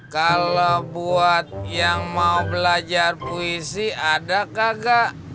kalau buat yang mau belajar puisi ada kakak